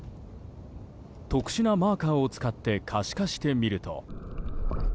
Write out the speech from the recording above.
特殊なマーカーを使って可視化してみると。